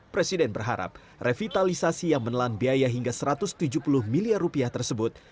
presiden berharap revitalisasi yang menelan biaya hingga satu ratus tujuh puluh miliar rupiah tersebut